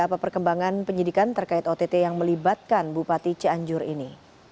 apa perkembangan penyidikan terkait ott yang melibatkan bupati cianjur ini